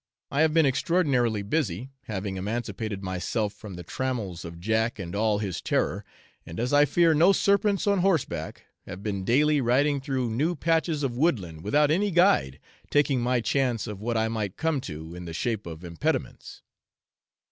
I have been extraordinarily busy, having emancipated myself from the trammels of Jack and all his terror, and as I fear no serpents on horseback, have been daily riding through new patches of woodland without any guide, taking my chance of what I might come to in the shape of impediments.